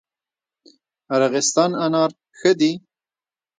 ارغستان انار ښه دي؟